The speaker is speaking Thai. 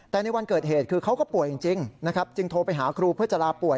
แต่ในวันเกิดเหตุคือเขาก็ป่วยจริงนะครับจึงโทรไปหาครูเพื่อจะลาป่วย